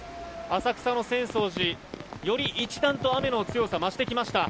浅草の浅草寺より一段と雨の強さが増してきました。